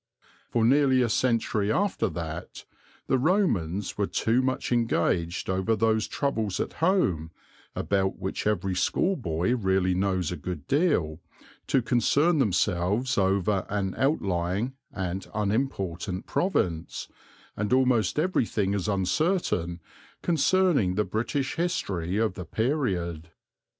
For nearly a century after that the Romans were too much engaged over those troubles at home, about which every schoolboy really knows a good deal, to concern themselves over an outlying and unimportant province, and almost everything is uncertain concerning the British history of the period.